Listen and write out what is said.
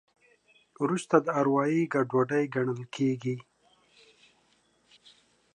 وروسته دا اروایي ګډوډي ګڼل کېږي.